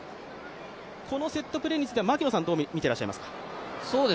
このセットプレーについては槙野さんはどう見ていらっしゃいますか。